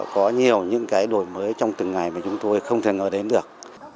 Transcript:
có nhiều những cái đổi mới trong từng ngày mà chúng tôi không thể ngờ đến được